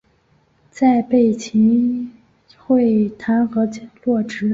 再被秦桧弹劾落职。